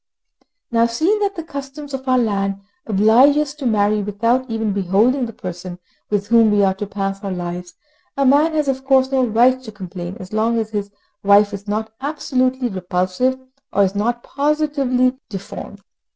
Now, seeing that the customs of our land oblige us to marry without ever beholding the person with whom we are to pass our lives, a man has of course no right to complain as long as his wife is not absolutely repulsive, or is not positively deformed.